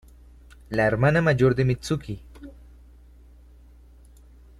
La hermana mayor de Mitsuki.